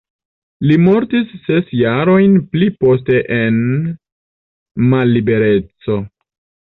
Li mortis ses jarojn pli poste en mallibereco.